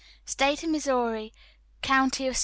"STATE OF MISSOURI, COUNTY OF ST.